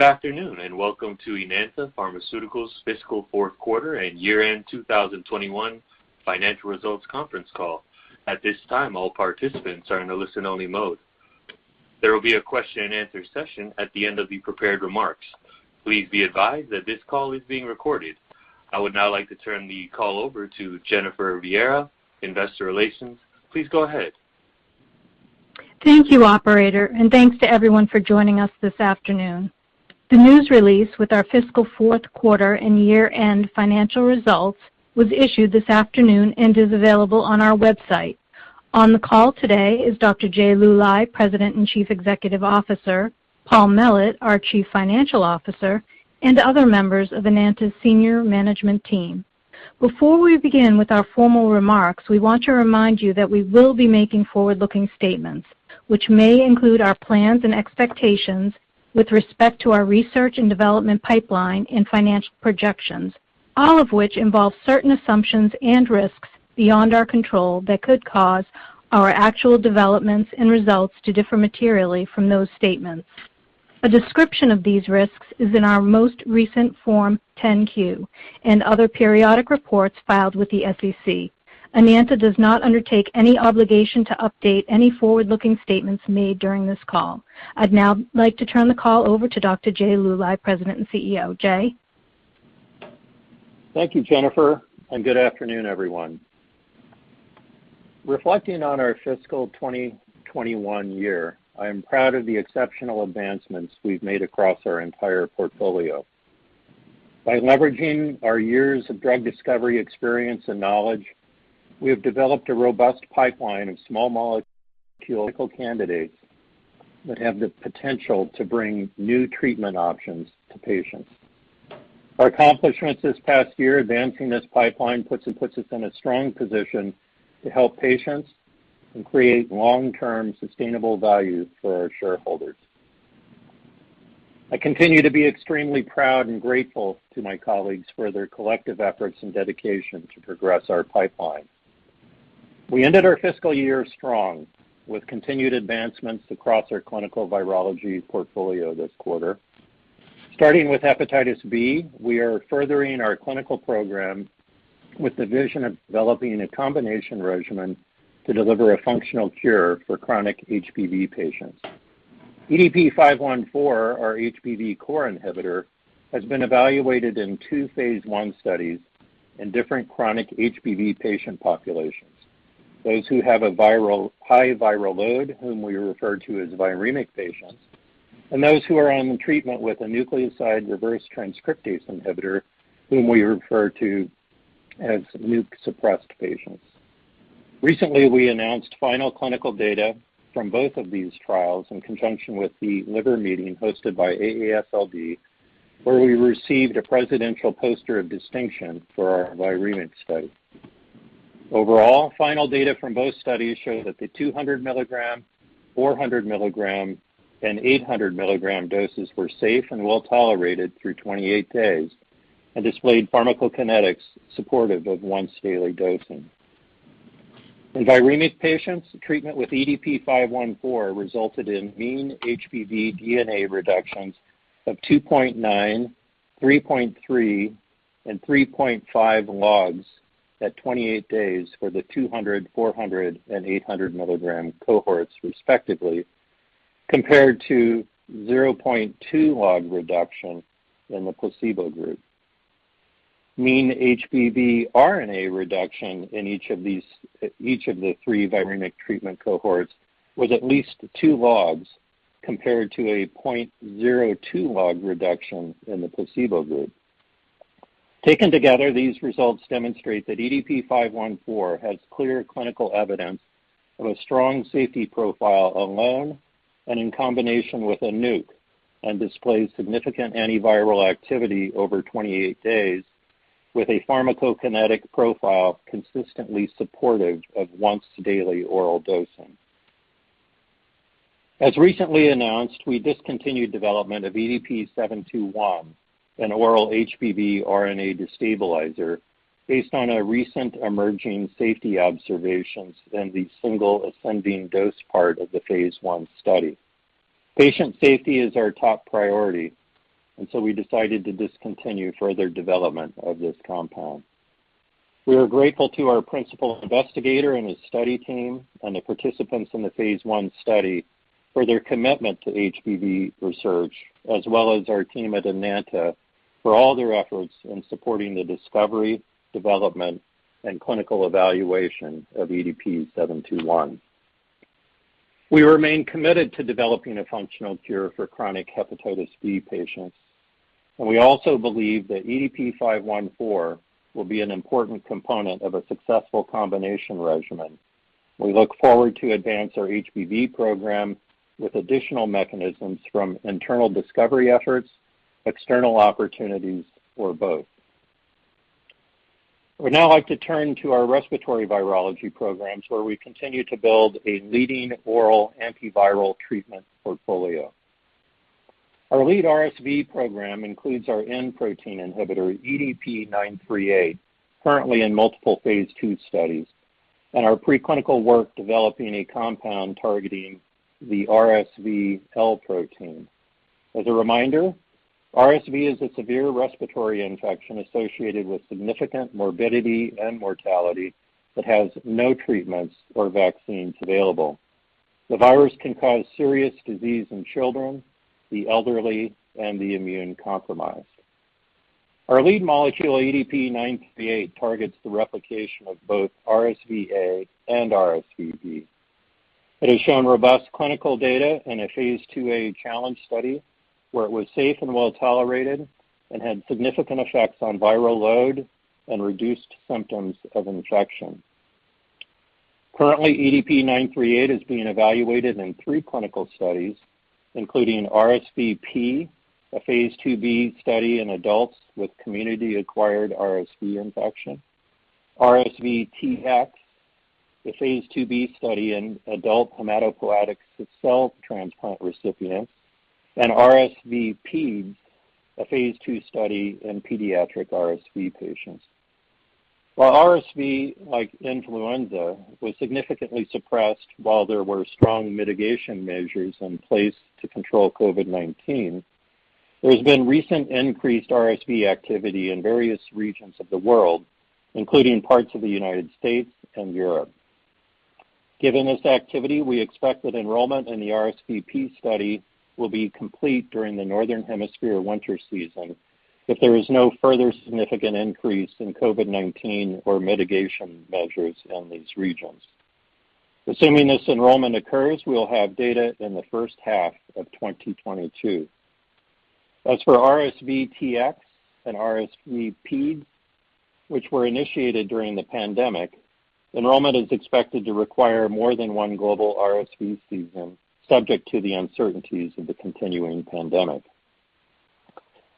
Good afternoon, and welcome to Enanta Pharmaceuticals Fiscal Fourth Quarter and Year-End 2021 Financial Results Conference Call. At this time, all participants are in a listen-only mode. There will be a question-and-answer session at the end of the prepared remarks. Please be advised that this call is being recorded. I would now like to turn the call over to Jennifer Viera, Investor Relations. Please go ahead. Thank you, operator, and thanks to everyone for joining us this afternoon. The news release with our fiscal fourth quarter and year-end financial results was issued this afternoon and is available on our website. On the call today is Dr. Jay Luly, President and Chief Executive Officer, Paul Mellett, our Chief Financial Officer, and other members of Enanta's senior management team. Before we begin with our formal remarks, we want to remind you that we will be making forward-looking statements which may include our plans and expectations with respect to our research and development pipeline and financial projections, all of which involve certain assumptions and risks beyond our control that could cause our actual developments and results to differ materially from those statements. A description of these risks is in our most recent Form 10-Q and other periodic reports filed with the SEC. Enanta does not undertake any obligation to update any forward-looking statements made during this call. I'd now like to turn the call over to Dr. Jay Luly, President and CEO. Jay? Thank you, Jennifer, and good afternoon, everyone. Reflecting on our fiscal 2021 year, I am proud of the exceptional advancements we've made across our entire portfolio. By leveraging our years of drug discovery experience and knowledge, we have developed a robust pipeline of small molecule clinical candidates that have the potential to bring new treatment options to patients. Our accomplishments this past year advancing this pipeline puts us in a strong position to help patients and create long-term sustainable value for our shareholders. I continue to be extremely proud and grateful to my colleagues for their collective efforts and dedication to progress our pipeline. We ended our fiscal year strong with continued advancements across our clinical virology portfolio this quarter. Starting with hepatitis B, we are furthering our clinical program with the vision of developing a combination regimen to deliver a functional cure for chronic HBV patients. EDP-514, our HBV core inhibitor, has been evaluated in two phase I studies in different chronic HBV patient populations. Those who have a high viral load, whom we refer to as viremic patients, and those who are on treatment with a nucleoside reverse transcriptase inhibitor, whom we refer to as NUC-suppressed patients. Recently, we announced final clinical data from both of these trials in conjunction with the liver meeting hosted by AASLD, where we received a Presidential Poster of Distinction for our viremic study. Overall, final data from both studies show that the 200 mg, 400 mg, and 800 mg doses were safe and well-tolerated through 28 days and displayed pharmacokinetics supportive of once-daily dosing. In viremic patients, treatment with EDP-514 resulted in mean HBV DNA reductions of 2.9, 3.3, and 3.5 logs at 28 days for the 200 mg, 400 mg, and 800 mg cohorts respectively, compared to 0.2 log reduction in the placebo group. Mean HBV RNA reduction in each of the three viremic treatment cohorts was at least two logs compared to a 0.02 log reduction in the placebo group. Taken together, these results demonstrate that EDP-514 has clear clinical evidence of a strong safety profile alone and in combination with a NUC and displays significant antiviral activity over 28 days with a pharmacokinetic profile consistently supportive of once-daily oral dosing. As recently announced, we discontinued development of EDP-721, an oral HBV RNA destabilizer, based on our recent emerging safety observations in the single ascending dose part of the phase I study. Patient safety is our top priority, and so we decided to discontinue further development of this compound. We are grateful to our principal investigator and his study team and the participants in the phase I study for their commitment to HBV research, as well as our team at Enanta for all their efforts in supporting the discovery, development, and clinical evaluation of EDP-721. We remain committed to developing a functional cure for chronic hepatitis B patients, and we also believe that EDP-514 will be an important component of a successful combination regimen. We look forward to advance our HBV program with additional mechanisms from internal discovery efforts, external opportunities, or both. I would now like to turn to our respiratory virology programs, where we continue to build a leading oral antiviral treatment portfolio. Our lead RSV program includes our N-protein inhibitor, EDP-938, currently in multiple phase II studies. Our preclinical work developing a compound targeting the RSV L-protein. As a reminder, RSV is a severe respiratory infection associated with significant morbidity and mortality that has no treatments or vaccines available. The virus can cause serious disease in children, the elderly, and the immune-compromised. Our lead molecule, EDP-938 targets the replication of both RSVA and RSVB. It has shown robust clinical data in a phase II-A challenge study where it was safe and well-tolerated and had significant effects on viral load and reduced symptoms of infection. Currently, EDP-938 is being evaluated in three clinical studies, including RSVP, a phase II-B study in adults with community-acquired RSV infection, RSVTX, a phase II-B study in adult hematopoietic cell transplant recipients, and RSV Peds, a phase II study in pediatric RSV patients. While RSV, like influenza, was significantly suppressed while there were strong mitigation measures in place to control COVID-19, there has been recent increased RSV activity in various regions of the world, including parts of the United States and Europe. Given this activity, we expect that enrollment in the RSVPEDs study will be complete during the Northern Hemisphere winter season if there is no further significant increase in COVID-19 or mitigation measures in these regions. Assuming this enrollment occurs, we will have data in the first half of 2022. As for RSVTX and RSVPEDs, which were initiated during the pandemic, enrollment is expected to require more than one global RSV season, subject to the uncertainties of the continuing pandemic.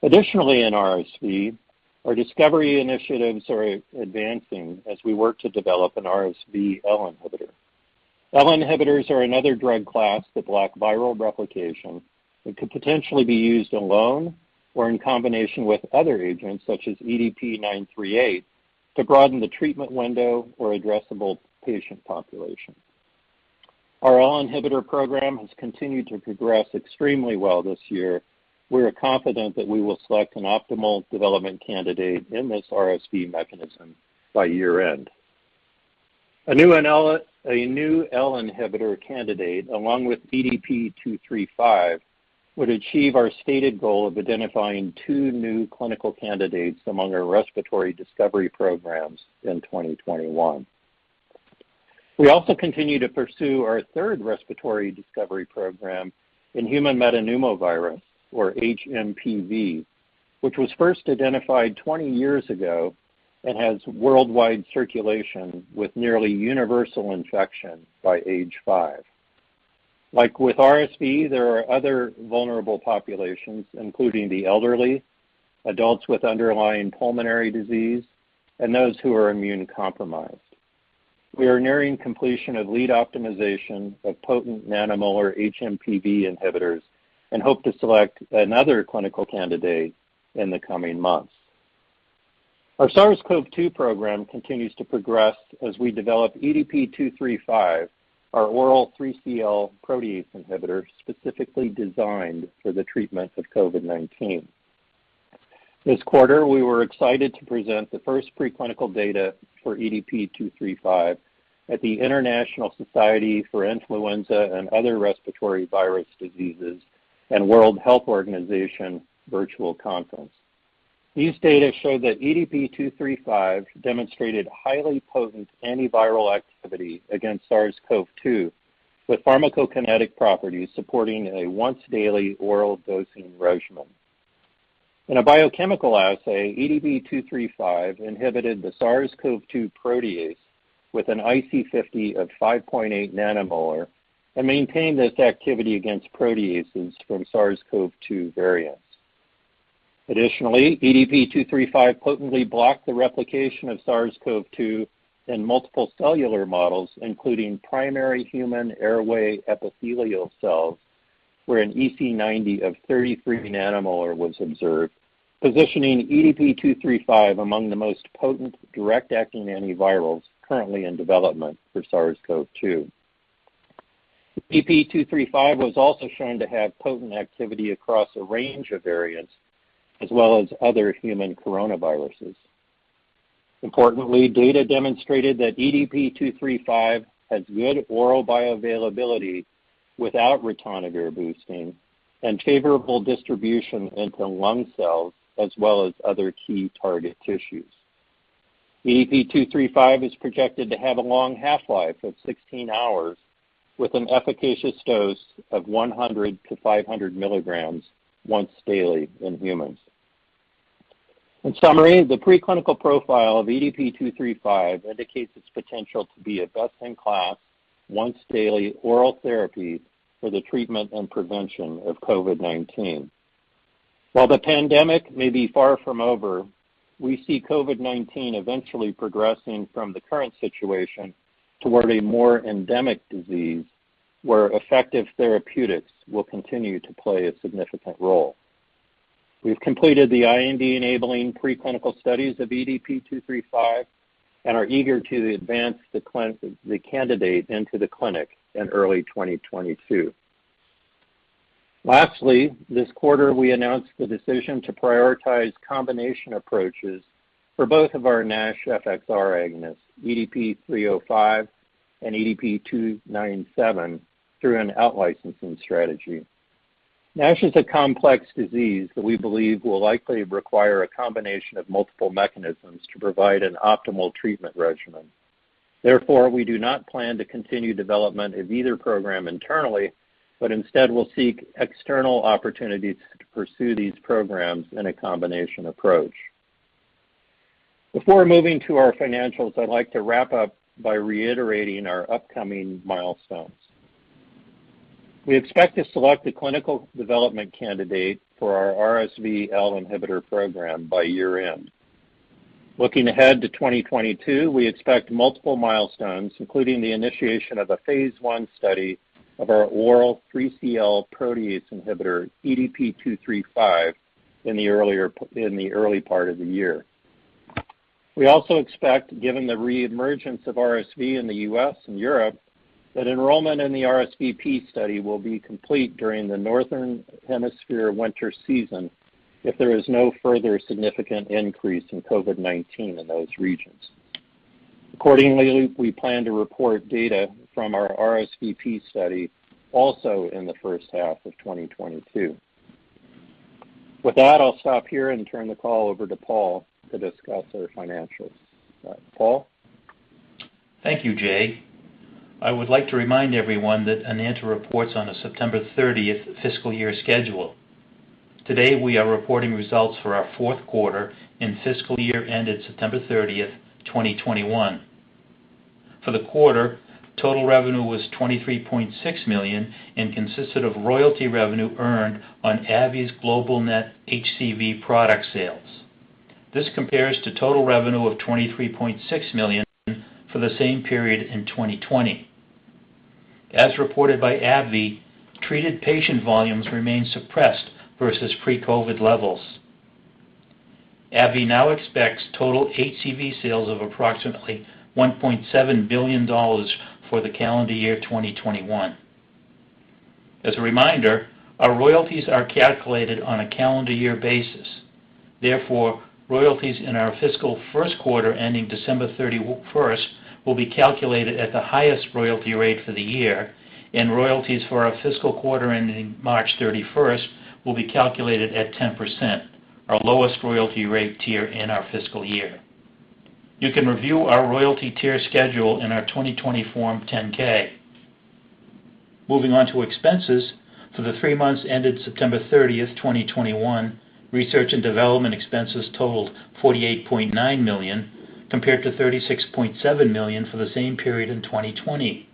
Additionally, in RSV, our discovery initiatives are advancing as we work to develop an RSV L inhibitor. L inhibitors are another drug class that block viral replication that could potentially be used alone or in combination with other agents such as EDP-938 to broaden the treatment window or addressable patient population. Our L inhibitor program has continued to progress extremely well this year. We are confident that we will select an optimal development candidate in this RSV mechanism by year-end. A new L inhibitor candidate, along with EDP-235, would achieve our stated goal of identifying two new clinical candidates among our respiratory discovery programs in 2021. We also continue to pursue our third respiratory discovery program in human metapneumovirus, or HMPV, which was first identified 20 years ago and has worldwide circulation with nearly universal infection by age five. Like with RSV, there are other vulnerable populations, including the elderly, adults with underlying pulmonary disease, and those who are immune-compromised. We are nearing completion of lead optimization of potent nanomolar HMPV inhibitors and hope to select another clinical candidate in the coming months. Our SARS-CoV-2 program continues to progress as we develop EDP-235, our oral 3CL protease inhibitor specifically designed for the treatment of COVID-19. This quarter, we were excited to present the first preclinical data for EDP-235 at the International Society for Influenza and Other Respiratory Virus Diseases and World Health Organization virtual conference. These data show that EDP-235 demonstrated highly potent antiviral activity against SARS-CoV-2, with pharmacokinetic properties supporting a once-daily oral dosing regimen. In a biochemical assay, EDP-235 inhibited the SARS-CoV-2 protease with an IC50 of 5.8 nanomolar and maintained this activity against proteases from SARS-CoV-2 variants. EDP-235 potently blocked the replication of SARS-CoV-2 in multiple cellular models, including primary human airway epithelial cells, where an EC90 of 33 nanomolar was observed, positioning EDP-235 among the most potent direct-acting antivirals currently in development for SARS-CoV-2. EDP-235 was also shown to have potent activity across a range of variants as well as other human coronaviruses. Importantly, data demonstrated that EDP-235 has good oral bioavailability without ritonavir boosting and favorable distribution into lung cells as well as other key target tissues. EDP-235 is projected to have a long half-life of 16 hours with an efficacious dose of 100-500 mg once daily in humans. In summary, the preclinical profile of EDP-235 indicates its potential to be a best-in-class, once-daily oral therapy for the treatment and prevention of COVID-19. While the pandemic may be far from over, we see COVID-19 eventually progressing from the current situation toward a more endemic disease where effective therapeutics will continue to play a significant role. We've completed the IND-enabling preclinical studies of EDP-235 and are eager to advance the candidate into the clinic in early 2022. Lastly, this quarter, we announced the decision to prioritize combination approaches for both of our NASH FXR agonists, EDP-305 and EDP-297, through an out-licensing strategy. NASH is a complex disease that we believe will likely require a combination of multiple mechanisms to provide an optimal treatment regimen. Therefore, we do not plan to continue development of either program internally, but instead, we'll seek external opportunities to pursue these programs in a combination approach. Before moving to our financials, I'd like to wrap up by reiterating our upcoming milestones. We expect to select a clinical development candidate for our RSV L inhibitor program by year-end. Looking ahead to 2022, we expect multiple milestones, including the initiation of a phase I study of our oral 3CL protease inhibitor, EDP-235 in the early part of the year. We also expect, given the reemergence of RSV in the U.S. and Europe, that enrollment in the RSVP study will be complete during the Northern Hemisphere winter season if there is no further significant increase in COVID-19 in those regions. Accordingly, we plan to report data from our RSVP study also in the first half of 2022. With that, I'll stop here and turn the call over to Paul to discuss our financials. Paul? Thank you, Jay. I would like to remind everyone that Enanta reports on a September 30 fiscal year schedule. Today, we are reporting results for our fourth quarter and fiscal year ended September 30, 2021. For the quarter, total revenue was $23.6 million and consisted of royalty revenue earned on AbbVie's global net HCV product sales. This compares to total revenue of $23.6 million for the same period in 2020. As reported by AbbVie, treated patient volumes remain suppressed versus pre-COVID levels. AbbVie now expects total HCV sales of approximately $1.7 billion for the calendar year 2021. As a reminder, our royalties are calculated on a calendar year basis. Therefore, royalties in our fiscal first quarter ending December 31 will be calculated at the highest royalty rate for the year, and royalties for our fiscal quarter ending March 31 will be calculated at 10%, our lowest royalty rate tier in our fiscal year. You can review our royalty tier schedule in our 2020 Form 10-K. Moving on to expenses, for the three months ended September 30, 2021, research and development expenses totaled $48.9 million, compared to $36.7 million for the same period in 2020.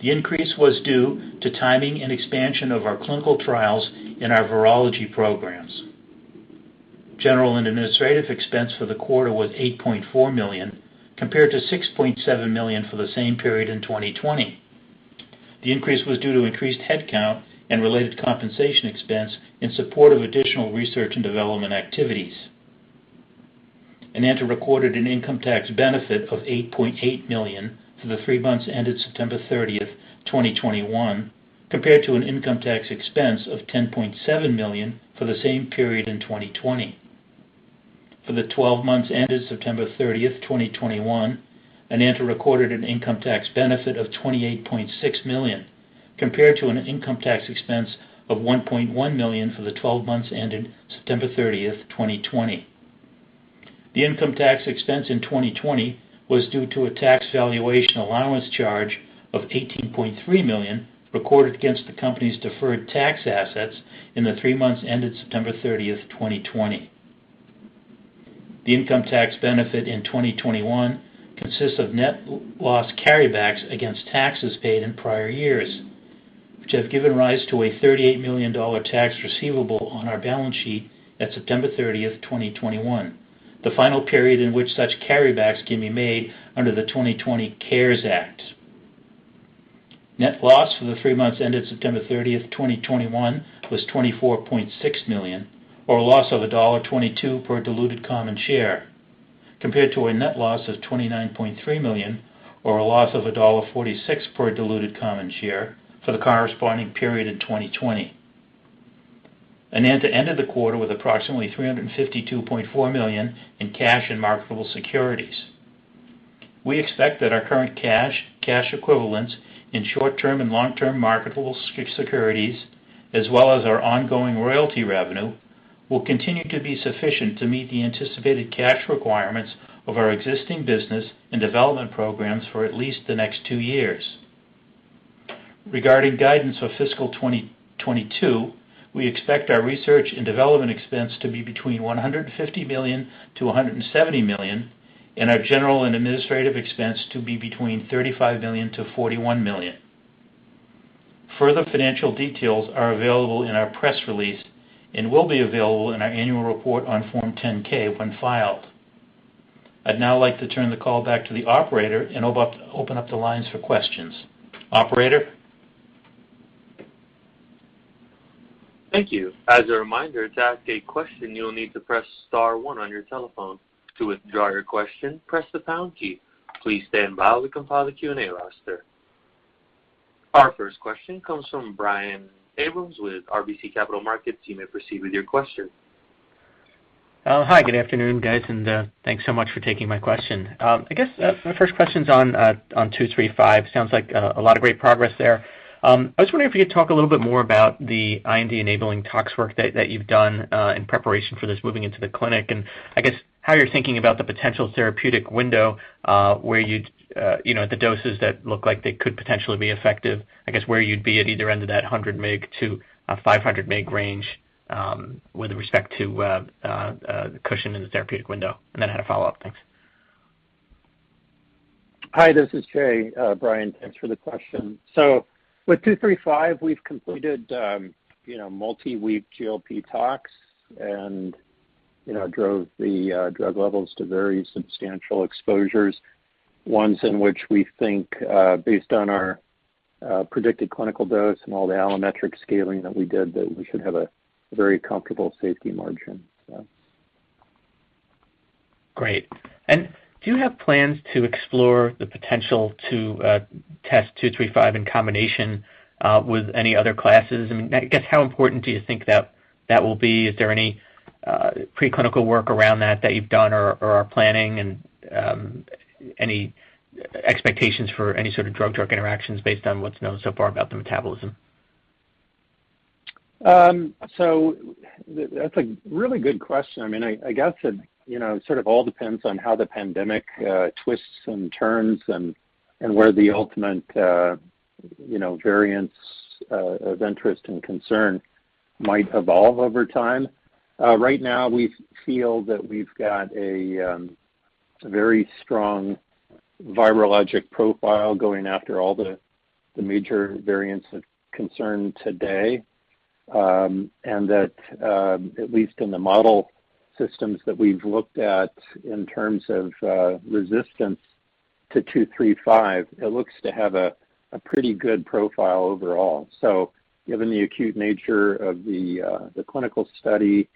The increase was due to timing and expansion of our clinical trials in our virology programs. General and administrative expense for the quarter was $8.4 million, compared to $6.7 million for the same period in 2020. The increase was due to increased headcount and related compensation expense in support of additional research and development activities. Enanta recorded an income tax benefit of $8.8 million for the three months ended September 30, 2021, compared to an income tax expense of $10.7 million for the same period in 2020. For the twelve months ended September 30, 2021, Enanta recorded an income tax benefit of $28.6 million, compared to an income tax expense of $1.1 million for the twelve months ended September 30, 2020. The income tax expense in 2020 was due to a tax valuation allowance charge of $18.3 million recorded against the company's deferred tax assets in the three months ended September 30, 2020. The income tax benefit in 2021 consists of net loss carrybacks against taxes paid in prior years, which have given rise to a $38 million tax receivable on our balance sheet at September 30, 2021, the final period in which such carrybacks can be made under the 2020 CARES Act. Net loss for the three months ended September 30, 2021 was $24.6 million, or a loss of $1.22 per diluted common share, compared to a net loss of $29.3 million or a loss of $1.46 per diluted common share for the corresponding period in 2020. Enanta ended the quarter with approximately $352.4 million in cash and marketable securities. We expect that our current cash equivalents in short-term and long-term marketable securities, as well as our ongoing royalty revenue, will continue to be sufficient to meet the anticipated cash requirements of our existing business and development programs for at least the next two years. Regarding guidance for fiscal 2022, we expect our research and development expense to be between $150 million-$170 million, and our general and administrative expense to be between $35 million-$41 million. Further financial details are available in our press release and will be available in our annual report on Form 10-K when filed. I'd now like to turn the call back to the operator and open up the lines for questions. Operator? Thank you. As a reminder, to ask a question, you will need to press star one on your telephone. To withdraw your question, press the pound key. Please stand by. We compile the Q&A roster. Our first question comes from Brian Abrahams with RBC Capital Markets. You may proceed with your question. Hi, good afternoon guys, and thanks so much for taking my question. I guess my first question's on EDP-235. Sounds like a lot of great progress there. I was wondering if you could talk a little bit more about the IND-enabling tox work that you've done in preparation for this moving into the clinic and I guess how you're thinking about the potential therapeutic window, where you'd you know, the doses that look like they could potentially be effective, I guess where you'd be at either end of that 100 mg-500 mg range, with respect to the cushion in the therapeutic window and then I had a follow-up. Thanks. Hi, this is Jay. Brian, thanks for the question. With EDP-235, we've completed multi-week GLP tox and you know, drove the drug levels to very substantial exposures, ones in which we think based on our predicted clinical dose and all the allometric scaling that we did that we should have a very comfortable safety margin. Great. Do you have plans to explore the potential to test EDP-235 in combination with any other classes? I mean, I guess how important do you think that will be? Is there any preclinical work around that you've done or are planning and any expectations for any sort of drug-drug interactions based on what's known so far about the metabolism? That's a really good question. I mean, I guess it, you know, sort of all depends on how the pandemic twists and turns and where the ultimate, you know, variants of interest and concern might evolve over time. Right now we feel that we've got a very strong virologic profile going after all the major variants of concern today, and that at least in the model systems that we've looked at in terms of resistance to EDP-235, it looks to have a pretty good profile overall. Given the acute nature of the clinical study,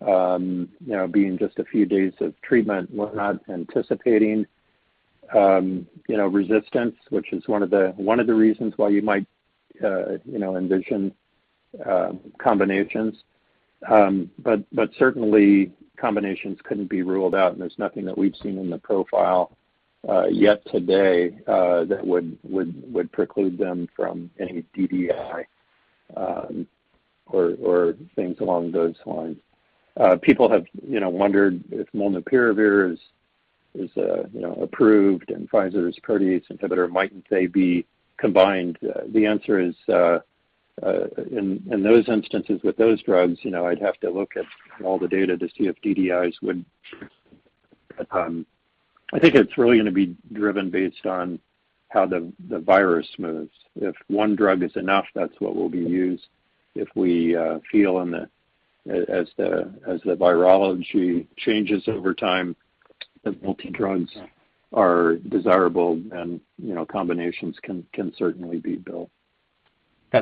you know, being just a few days of treatment, we're not anticipating, you know, resistance, which is one of the reasons why you might, you know, envision combinations. Certainly combinations couldn't be ruled out, and there's nothing that we've seen in the profile yet today that would preclude them from any DDI or things along those lines. People have, you know, wondered if molnupiravir is, you know, approved and Pfizer's protease inhibitor mightn't they be combined? The answer is, in those instances with those drugs, you know, I'd have to look at all the data to see if DDIs would. I think it's really gonna be driven based on how the virus moves. If one drug is enough, that's what will be used. If we feel, as the virology changes over time, that multi-drugs are desirable, then, you know, combinations can certainly be built.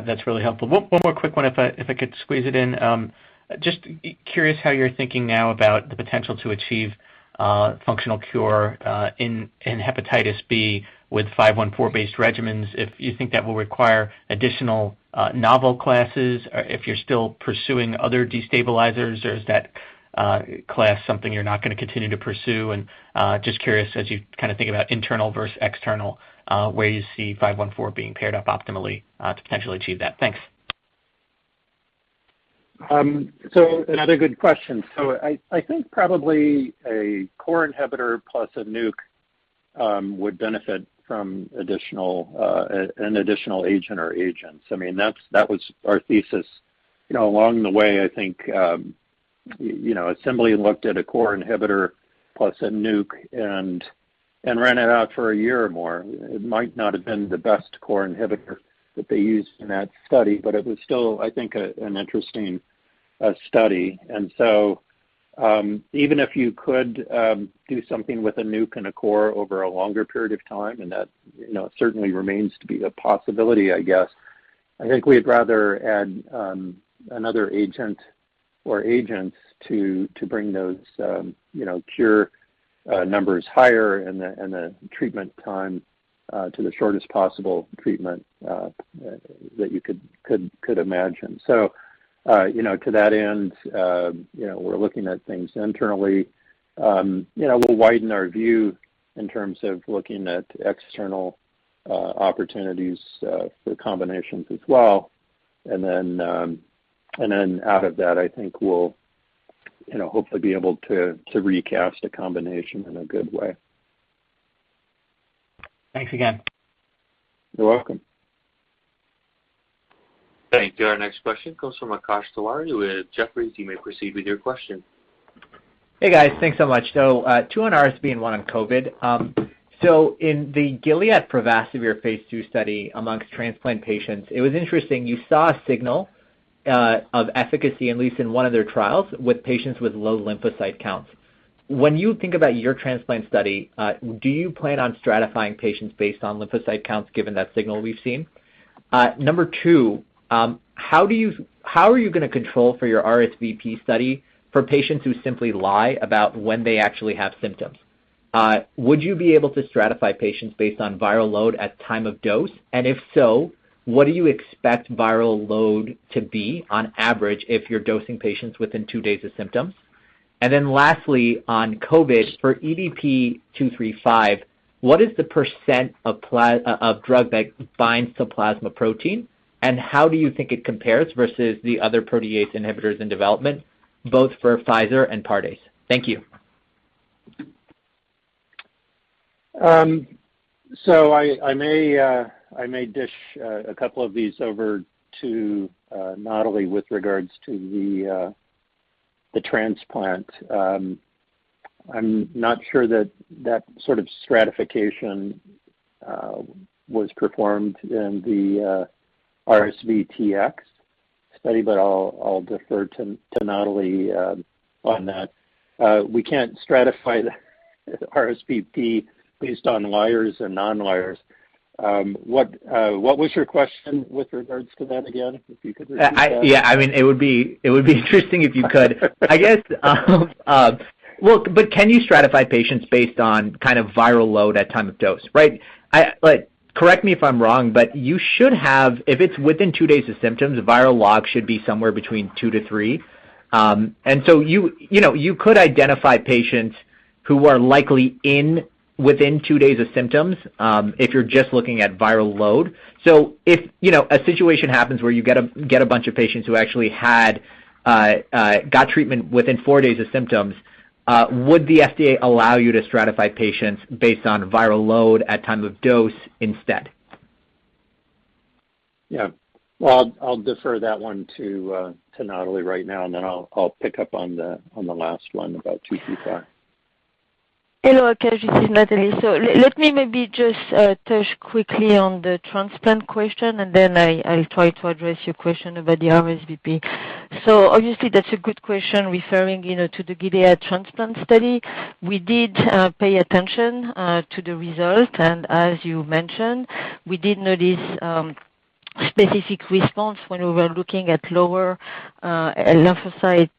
That's really helpful. One more quick one if I could squeeze it in. Just curious how you're thinking now about the potential to achieve functional cure in hepatitis B with five-one-four based regimens, if you think that will require additional novel classes, or if you're still pursuing other destabilizers, or is that class something you're not gonna continue to pursue? Just curious as you kinda think about internal versus external, where you see five-one-four being paired up optimally to potentially achieve that. Thanks. That's a good question. I think probably a core inhibitor plus a NUC would benefit from an additional agent or agents. I mean, that was our thesis. You know, along the way I think you know, Assembly looked at a core inhibitor plus a NUC and ran it out for a year or more. It might not have been the best core inhibitor that they used in that study, but it was still, I think, an interesting study. Even if you could do something with a NUC and a core over a longer period of time, and that you know certainly remains to be a possibility I guess, I think we'd rather add another agent or agents to bring those you know cure numbers higher and the treatment time to the shortest possible treatment that you could imagine. You know, to that end, you know, we're looking at things internally. You know, we'll widen our view in terms of looking at external opportunities for combinations as well. Out of that I think we'll you know hopefully be able to recast a combination in a good way. Thanks again. You're welcome. Thank you. Our next question comes from Akash Tewari with Jefferies. You may proceed with your question. Hey guys thanks so much. Two on RSV and one on COVID. In the Gilead presatovir phase II study among transplant patients, it was interesting. You saw a signal of efficacy, at least in one of their trials with patients with low lymphocyte counts. When you think about your transplant study, do you plan on stratifying patients based on lymphocyte counts given that signal we've seen? Number two, how are you gonna control for your RSV study for patients who simply lie about when they actually have symptoms? Would you be able to stratify patients based on viral load at time of dose? And if so, what do you expect viral load to be on average if you're dosing patients within two days of symptoms? Then lastly, on COVID, for EDP-235, what is the % of drug that binds to plasma protein? How do you think it compares versus the other protease inhibitors in development, both for Pfizer and Pardes? Thank you. I may dish a couple of these over to Nathalie with regards to the transplant. I'm not sure that sort of stratification was performed in the RSV-TX study, but I'll defer to Nathalie on that. We can't stratify the RSVP based on livers and non-livers. What was your question with regards to that again, if you could repeat that? I mean, it would be interesting if you could. I guess, well, but can you stratify patients based on kind of viral load at time of dose? Right? Like, correct me if I'm wrong, but you should have. If it's within two days of symptoms, the viral log should be somewhere between two to three. You know, you could identify patients who are likely within two days of symptoms, if you're just looking at viral load. So if, you know, a situation happens where you get a bunch of patients who actually got treatment within four days of symptoms, would the FDA allow you to stratify patients based on viral load at time of dose instead? Well, I'll defer that one to Nathalie right now, and then I'll pick up on the last one about 235. Hello Akash this is Nathalie. Let me maybe just touch quickly on the transplant question, and then I'll try to address your question about the RSV. Obviously that's a good question referring, you know, to the Gilead transplant study. We did pay attention to the result, and as you mentioned, we did notice specific response when we were looking at lower lymphocyte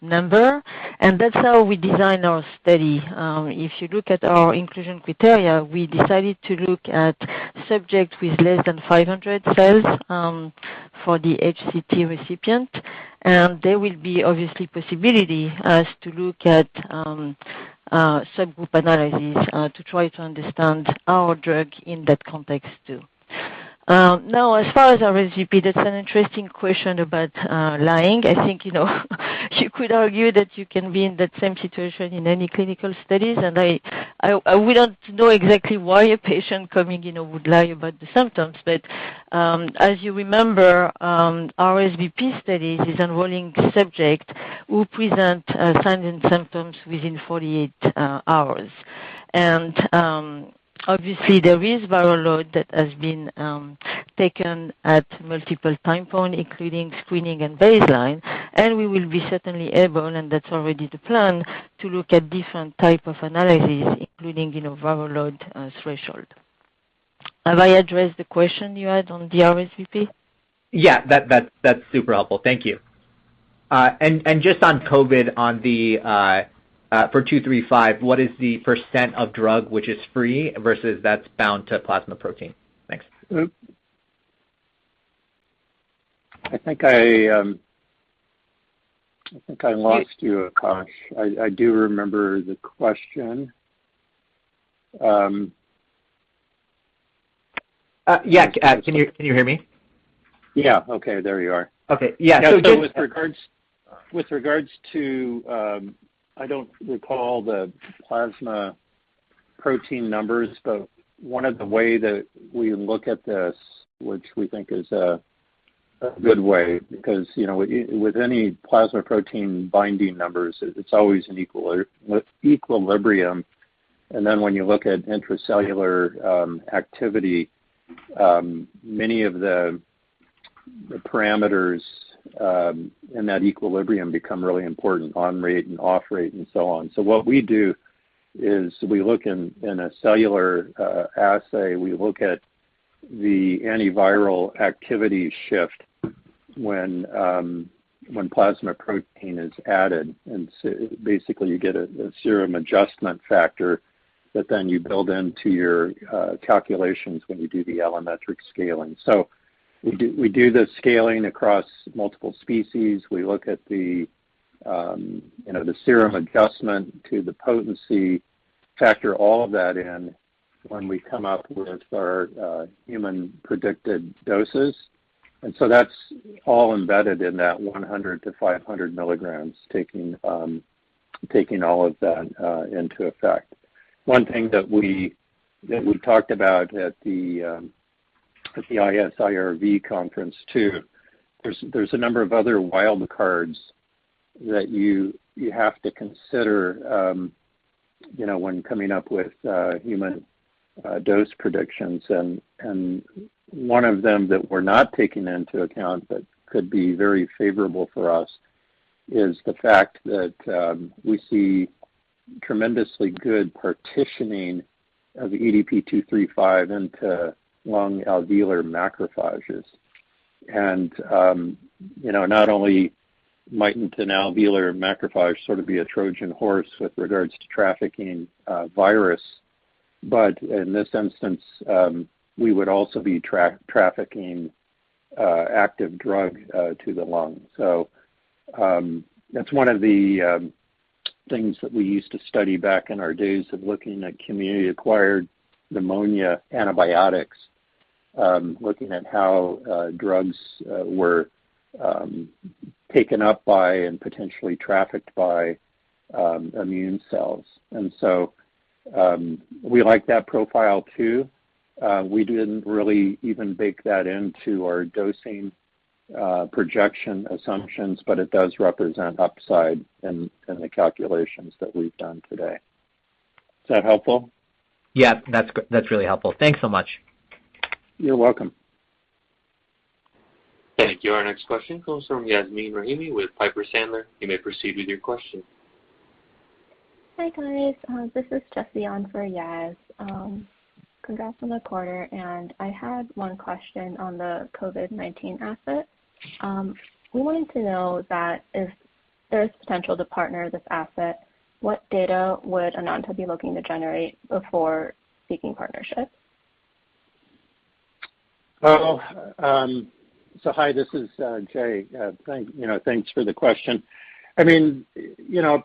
number. That's how we design our study. If you look at our inclusion criteria, we decided to look at subjects with less than 500 cells for the HCT recipient. There will be obviously possibility to look at subgroup analysis to try to understand our drug in that context too. Now as far as RSV, that's an interesting question about timing. I think, you know, you could argue that you can be in that same situation in any clinical studies. We don't know exactly why a patient coming in would lie about the symptoms. As you remember, RSVP studies is enrolling subjects who present signs and symptoms within 48 hours. Obviously there is viral load that has been taken at multiple time point, including screening and baseline. We will be certainly able, and that's already the plan, to look at different type of analysis, including, you know, viral load threshold. Have I addressed the question you had on the RSVP? That's super helpful. Thank you. And just on COVID on the for 235, what is the percent of drug which is free versus that's bound to plasma protein? Thanks. I think I lost you, Akash. I do remember the question. Can you hear me? Okay, there you are. Okay. Yeah. With regards to, I don't recall the plasma protein numbers, but one of the way that we look at this, which we think is a good way because, you know, with any plasma protein binding numbers, it's always an equilibrium. Then when you look at intracellular activity, many of the parameters in that equilibrium become really important, on rate and off rate and so on. What we do is we look in a cellular assay. We look at the antiviral activity shift when plasma protein is added. Basically you get a serum adjustment factor that then you build into your calculations when you do the allometric scaling. We do the scaling across multiple species. We look at the, you know, the serum adjustment to the potency, factor all of that in when we come up with our human predicted doses. That's all embedded in that 100-500 mg taking all of that into effect. One thing that we talked about at the ISIRV conference too, there's a number of other wild cards that you have to consider. You know, when coming up with human dose predictions and one of them that we're not taking into account but could be very favorable for us is the fact that we see tremendously good partitioning of EDP-235 into lung alveolar macrophages. You know, not only might an alveolar macrophage sort of be a Trojan horse with regards to trafficking virus, but in this instance, we would also be trafficking active drug to the lungs. That's one of the things that we used to study back in our days of looking at community-acquired pneumonia antibiotics, looking at how drugs were taken up by and potentially trafficked by immune cells. We like that profile too. We didn't really even bake that into our dosing projection assumptions, but it does represent upside in the calculations that we've done today. Is that helpful? That's really helpful. Thanks so much. You're welcome. Thank you. Our next question comes from Yasmeen Rahimi with Piper Sandler. You may proceed with your question. Hi guys this is just on for Yas. Congrats on the quarter, and I had one question on the COVID-19 asset. We wanted to know that if there's potential to partner this asset, what data would Enanta be looking to generate before seeking partnership? Well hi, this is Jay. You know, thanks for the question. I mean, you know,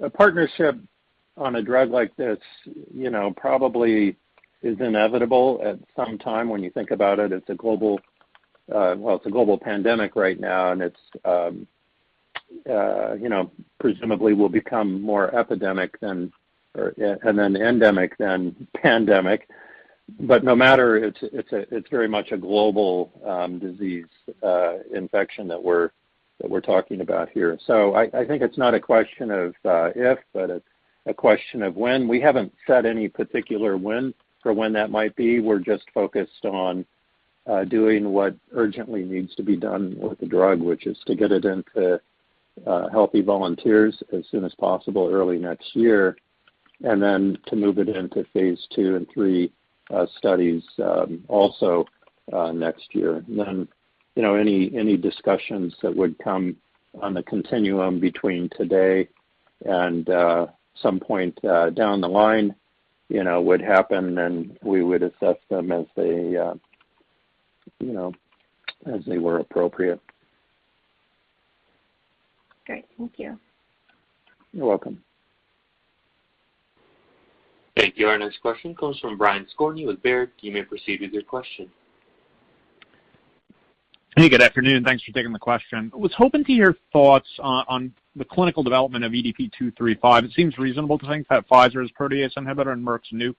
a partnership on a drug like this, you know, probably is inevitable at some time when you think about it. It's a global, well, it's a global pandemic right now, and it's, you know, presumably will become more epidemic, and then endemic, than pandemic. But no matter, it's very much a global disease infection that we're talking about here. I think it's not a question of if, but it's a question of when. We haven't set any particular when for when that might be. We're just focused on doing what urgently needs to be done with the drug, which is to get it into healthy volunteers as soon as possible early next year, then to move it into phase II and III studies also next year. You know, any discussions that would come on the continuum between today and some point down the line, you know, would happen, and we would assess them as they, you know, were appropriate. Great thank you. You're welcome. Thank you. Our next question comes from Brian Skorney with Baird. You may proceed with your question. Hey, good afternoon thanks for taking the question. I was hoping to hear thoughts on the clinical development of EDP-235. It seems reasonable to think that Pfizer's protease inhibitor and Merck's molnupiravir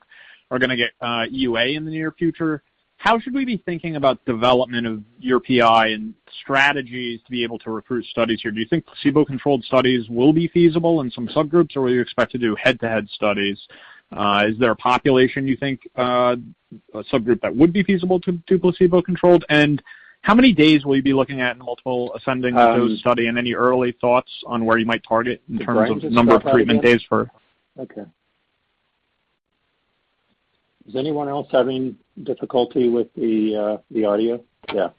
are gonna get EUA in the near future. How should we be thinking about development of your PI and strategies to be able to recruit studies here? Do you think placebo-controlled studies will be feasible in some subgroups, or will you expect to do head-to-head studies? Is there a population you think a subgroup that would be feasible to do placebo-controlled? How many days will you be looking at in multiple ascending dose study, and any early thoughts on where you might target in terms of- Brian, can you still hear me? Number of treatment days for. Okay. Is anyone else having difficulty with the audio? Yeah.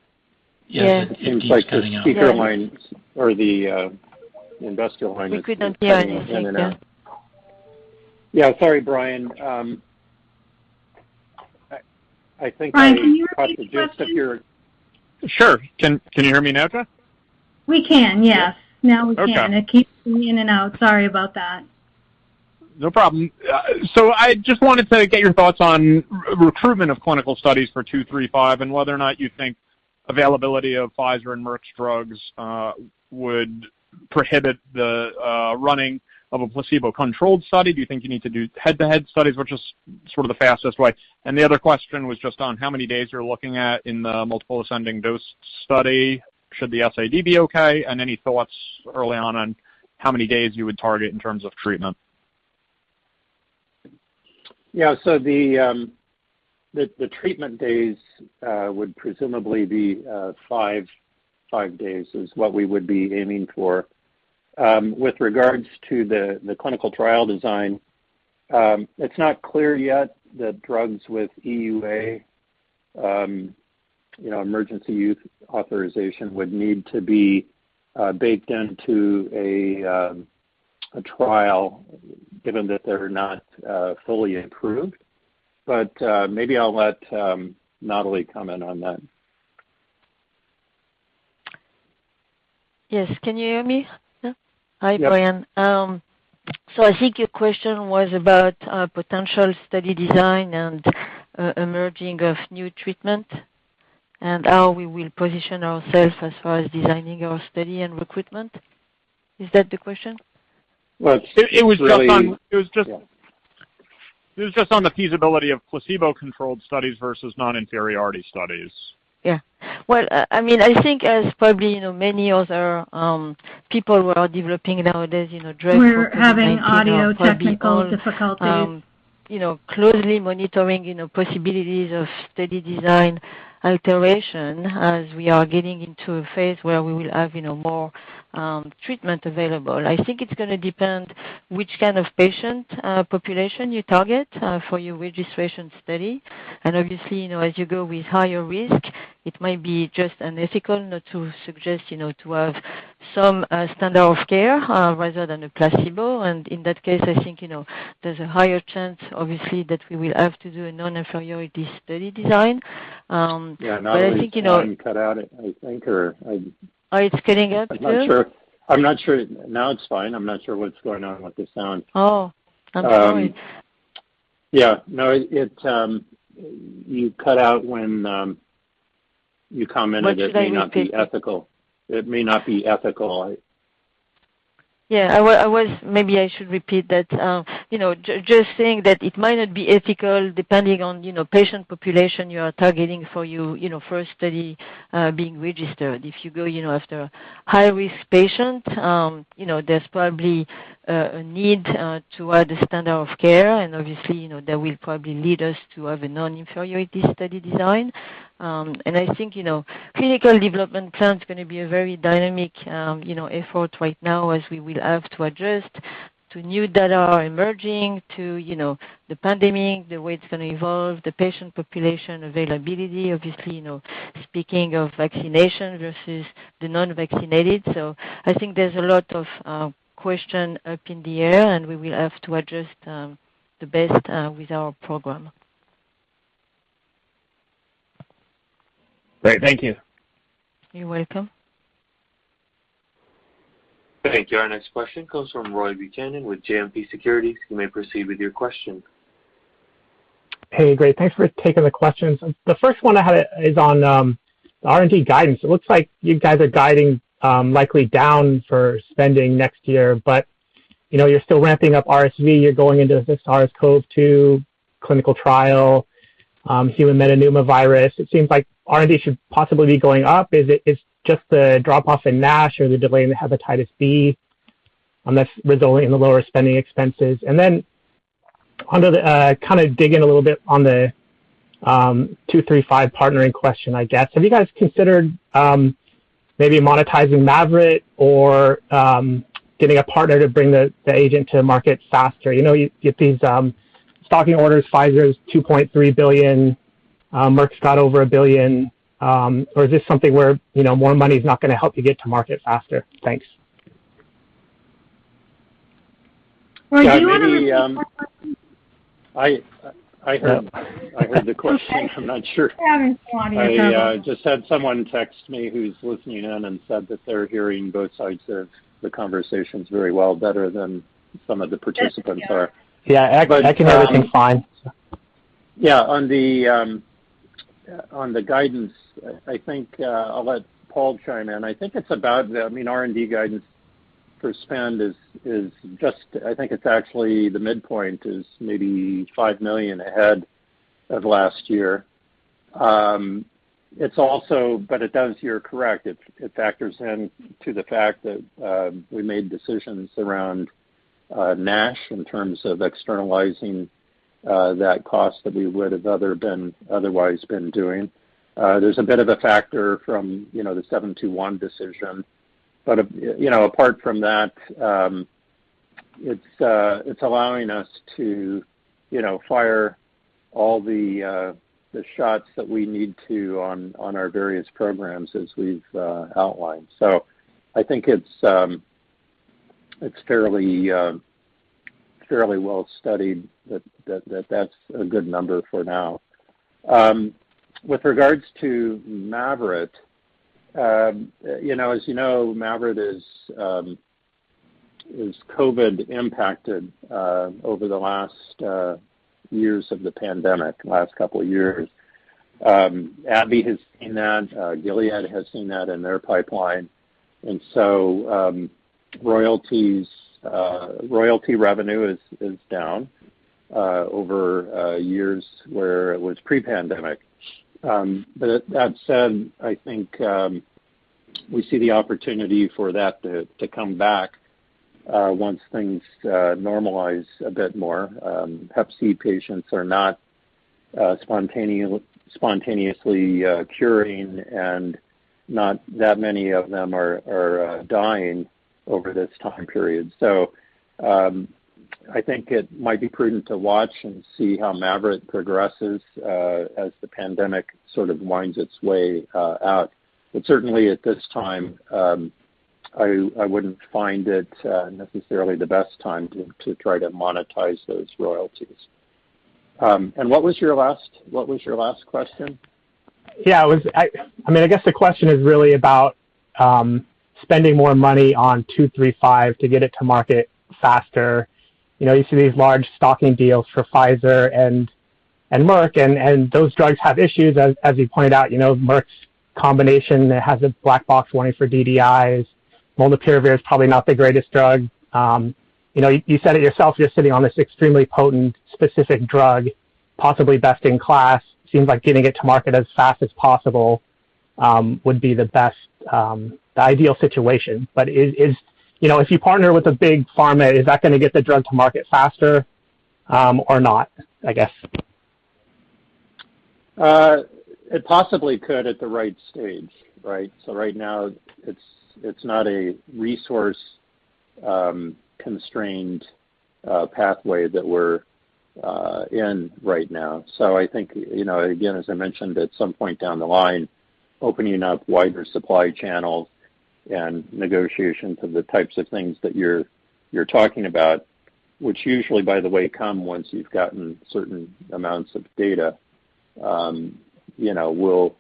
Yes. It keeps cutting out. It seems like the speaker line or the investor line is. We could not hear anything. Yeah. Coming in and out. Yeah. Sorry, Brian. I think I. Brian, can you repeat the question? just appeared. Sure. Can you hear me now, Jay? We can, yes. Yeah. Now we can. Okay. It keeps going in and out. Sorry about that. No problem. So I just wanted to get your thoughts on recruitment of clinical studies for EDP-235 and whether or not you think availability of Pfizer and Merck's drugs would prohibit the running of a placebo-controlled study. Do you think you need to do head-to-head studies, which is sort of the fastest way? And the other question was just on how many days you're looking at in the multiple ascending dose study. Should the SAD be okay? And any thoughts early on how many days you would target in terms of treatment? The treatment days would presumably be five days is what we would be aiming for. With regards to the clinical trial design, it's not clear yet that drugs with EUA, you know, Emergency Use Authorization, would need to be baked into a trial given that they're not fully approved. Maybe I'll let Nathalie comment on that. Yes. Can you hear me now? Yes. Hi, Brian. I think your question was about potential study design and emergence of new treatments and how we will position ourselves as far as designing our study and recruitment. Is that the question? Well, it's really. It, it was just on- Yeah. It was just- This is just on the feasibility of placebo-controlled studies versus non-inferiority studies. Well, I mean, I think as probably, you know, many other people who are developing nowadays, you know, drugs. We're having audio technical difficulties. You know, closely monitoring, you know, possibilities of study design alteration as we are getting into a phase where we will have, you know, more treatment available. I think it's gonna depend which kind of patient population you target for your registration study. Obviously, you know, as you go with higher risk, it might be just unethical not to suggest, you know, to have some standard of care rather than a placebo. In that case, I think, you know, there's a higher chance, obviously, that we will have to do a non-inferiority study design. I think, you know- Nathalie, you cut out, I think or I... Oh, it's cutting out too? I'm not sure. Now it's fine. I'm not sure what's going on with the sound. Oh. I'm sorry. No, it, you cut out when you commented. What should I repeat? It may not be ethical. I was. Maybe I should repeat that. You know, just saying that it might not be ethical depending on, you know, patient population you are targeting for your, you know, first study, being registered. If you go, you know, after high-risk patient, you know, there's probably a need to have the standard of care, and obviously, you know, that will probably lead us to have a non-inferiority study design. I think, you know, clinical development plan's gonna be a very dynamic, you know, effort right now as we will have to adjust to new data emerging to, you know, the pandemic, the way it's gonna evolve, the patient population availability, obviously, you know, speaking of vaccination versus the non-vaccinated. I think there's a lot of question up in the air, and we will have to adjust the best with our program. Great. Thank you. You're welcome. Thank you. Our next question comes from Roy Buchanan with JMP Securities. You may proceed with your question. Hey, great, thanks for taking the questions. The first one I had is on R&D guidance. It looks like you guys are guiding likely down for spending next year. You know, you're still ramping up RSV. You're going into this SARS-CoV-2 clinical trial, human metapneumovirus. It seems like R&D should possibly be going up. It's just the drop-off in NASH or the delay in the hepatitis B that's resulting in the lower spending expenses? And then I'd kind of like to dig in a little bit on the EDP-235 partnering question, I guess. Have you guys considered maybe monetizing MAVYRET or getting a partner to bring the agent to the market faster? You know, you have these stocking orders, Pfizer's $2.3 billion, Merck's got over $1 billion, or is this something where, you know, more money is not gonna help you get to market faster? Thanks. Yeah, maybe, I heard the question. I'm not sure. We're having some audio trouble. I just had someone text me who's listening in and said that they're hearing both sides of the conversations very well, better than some of the participants are. I can hear everything fine. On the guidance, I think I'll let Paul chime in. I think it's about, I mean, R&D guidance for spend is just—I think it's actually the midpoint is maybe $5 million ahead of last year. It's also—But it does, you're correct, it factors in to the fact that we made decisions around NASH in terms of externalizing that cost that we would have otherwise been doing. There's a bit of a factor from, you know, the 721 decision. But, you know, apart from that, it's allowing us to, you know, fire all the shots that we need to on our various programs as we've outlined. So I think it's fairly well-studied that that's a good number for now. With regards to MAVYRET, you know, as you know, MAVYRET is COVID impacted over the last years of the pandemic, last couple of years. AbbVie has seen that. Gilead has seen that in their pipeline. Royalties, royalty revenue is down over years where it was pre-pandemic. But that said, I think we see the opportunity for that to come back once things normalize a bit more. Hep C patients are not spontaneously curing, and not that many of them are dying over this time period. I think it might be prudent to watch and see how MAVYRET progresses as the pandemic sort of winds its way out. Certainly at this time, I wouldn't find it necessarily the best time to try to monetize those royalties. What was your last question? It was I mean, I guess the question is really about spending more money on EDP-235 to get it to market faster. You know, you see these large stocking deals for Pfizer and Merck, and those drugs have issues as you pointed out. You know, Merck's combination has a black box warning for DDIs. Molnupiravir is probably not the greatest drug. You know, you said it yourself, you're sitting on this extremely potent specific drug, possibly best in class. Seems like getting it to market as fast as possible would be the best, the ideal situation. Is... You know, if you partner with a big pharma, is that gonna get the drug to market faster, or not, I guess? It possibly could at the right stage, right? Right now it's not a resource constrained pathway that we're in right now. I think, you know, again, as I mentioned, at some point down the line, opening up wider supply channels and negotiations of the types of things that you're talking about, which usually, by the way, come once you've gotten certain amounts of data, you know, will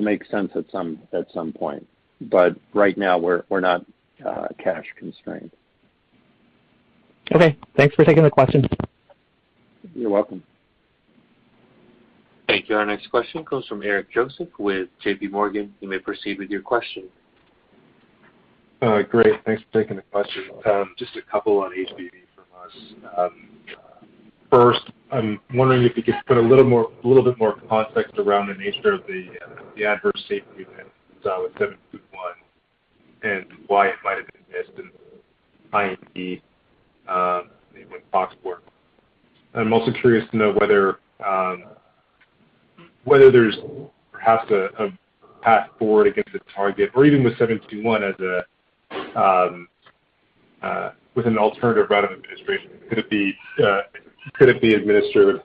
make sense at some point. Right now we're not cash constrained. Okay. Thanks for taking the question. You're welcome. Thank you. Our next question comes from Eric Joseph with JPMorgan. You may proceed with your question. Great. Thanks for taking the question. Just a couple on HBV from us. First, I'm wondering if you could put a little more, little bit more context around the nature of the adverse safety event with seven two one and why it might have been missed in the IND with tox work. I'm also curious to know whether there's perhaps a path forward against a target or even with seven two one as a with an alternative route of administration. Could it be administered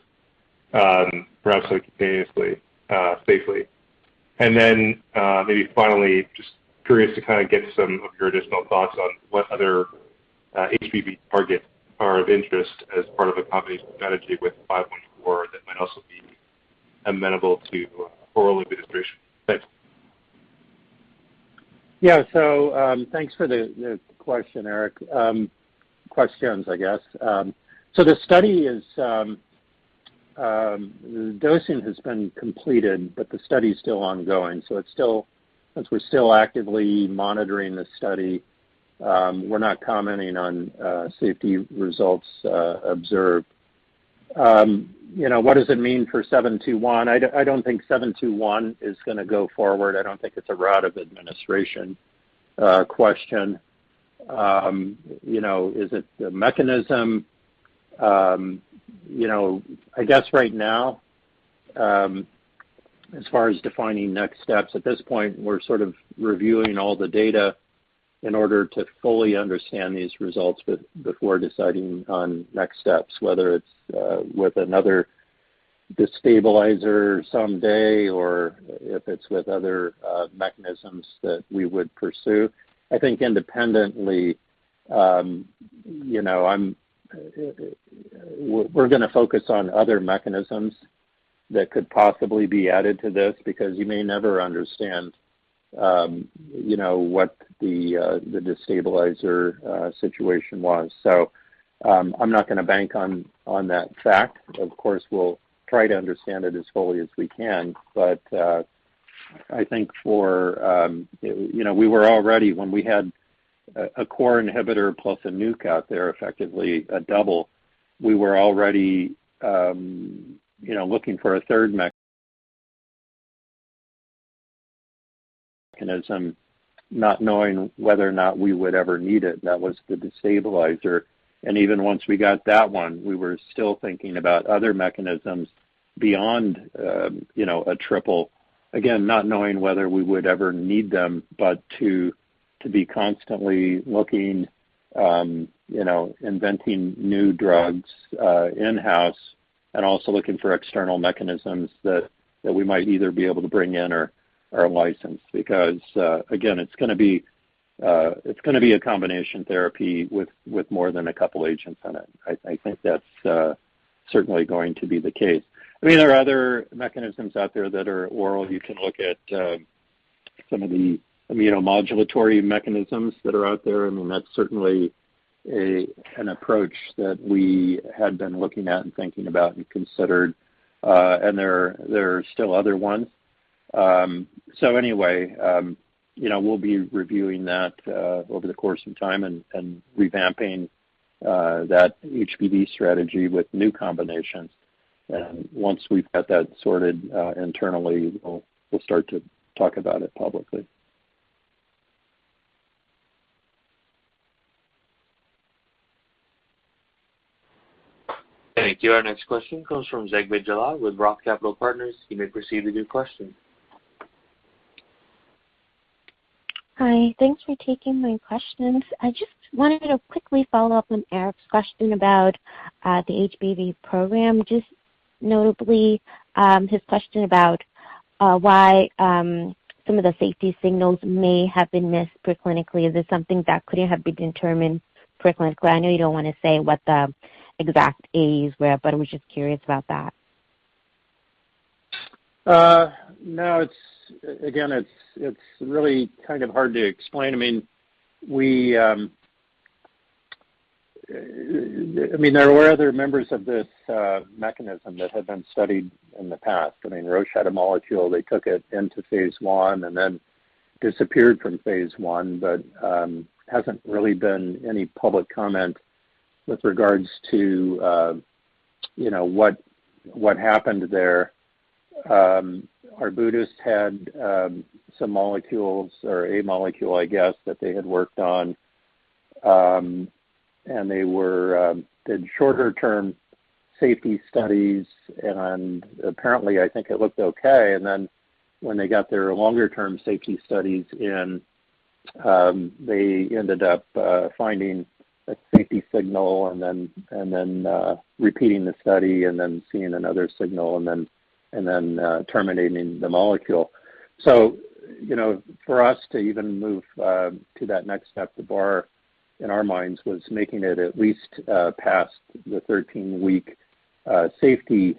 perhaps like simultaneously safely? Maybe finally, just curious to kinda get some of your additional thoughts on what other HBV targets are of interest as part of a combination strategy with five one four that might also be amenable to oral administration. Thanks. Thanks for the question, Eric. Questions, I guess. The study is the dosing has been completed, but the study's still ongoing. Since we're still actively monitoring the study, we're not commenting on safety results observed. You know, what does it mean for 721? I don't think 721 is gonna go forward. I don't think it's a route of administration question. You know, is it the mechanism? You know, I guess right now, as far as defining next steps, at this point, we're sort of reviewing all the data in order to fully understand these results before deciding on next steps, whether it's with another destabilizer someday or if it's with other mechanisms that we would pursue. I think independently, you know, we're gonna focus on other mechanisms that could possibly be added to this because you may never understand, you know, what the destabilizer situation was. I'm not gonna bank on that fact. Of course, we'll try to understand it as fully as we can. I think, you know, we were already looking for a third mechanism when we had a core inhibitor plus a nuke out there, effectively a double, not knowing whether or not we would ever need it. That was the destabilizer. Even once we got that one, we were still thinking about other mechanisms beyond, you know, a triple. Again, not knowing whether we would ever need them, but to be constantly looking, you know, inventing new drugs, in-house and also looking for external mechanisms that we might either be able to bring in or license. Because, again, it's gonna be a combination therapy with more than a couple agents in it. I think that's certainly going to be the case. I mean, there are other mechanisms out there that are oral. You can look at some of the immunomodulatory mechanisms that are out there. I mean, that's certainly an approach that we had been looking at and thinking about and considered. There are still other ones. Anyway, you know, we'll be reviewing that over the course of time and revamping that HBV strategy with new combinations. Once we've got that sorted internally, we'll start to talk about it publicly. Thank you. Our next question comes from Zegbeh Jallah with ROTH Capital Partners. You may proceed with your question. Hi thanks for taking my questions. I just wanted to quickly follow up on Eric's question about the HBV program. Just notably, his question about why some of the safety signals may have been missed pre-clinically. Is this something that could have been determined pre-clinically? I know you don't wanna say what the exact AEs were, but I was just curious about that. No, it's really kind of hard to explain. I mean, there were other members of this mechanism that had been studied in the past. I mean, Roche had a molecule, they took it into phase I and then disappeared from phase I, but there hasn't really been any public comment with regards to you know what happened there. Arbutus had some molecules or a molecule, I guess, that they had worked on. They did shorter-term safety studies and apparently, I think it looked okay. Then when they got their longer-term safety studies in, they ended up finding a safety signal and then repeating the study and then seeing another signal and then terminating the molecule. You know, for us to even move to that next step, the bar in our minds was making it at least past the 13-week safety